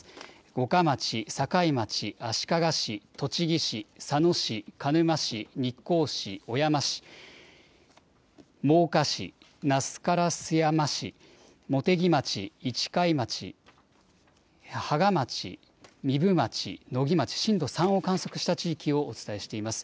五霞町、境町、足利市、栃木市、佐野市、鹿沼市、日光市、小山市、真岡市、那須烏山市、茂木町、市貝町、芳賀町、壬生町、野木町、震度３を観測した地域をお伝えしています。